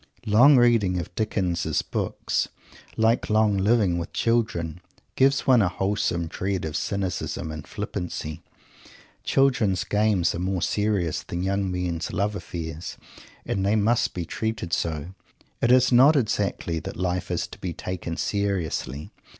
Long reading of Dickens' books, like long living with children, gives one a wholesome dread of cynicism and flippancy. Children's games are more serious than young men's love affairs, and they must be treated so. It is not exactly that life is to be "taken seriously."